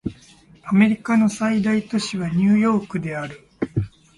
アメリカの最大都市はニューヨークである